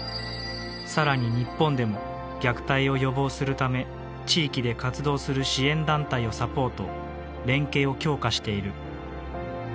さらに日本でも虐待を予防するため地域で活動する支援団体をサポート連携を強化している。